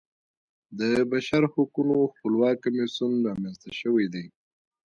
د بشرحقونو خپلواک کمیسیون رامنځته شوی دی.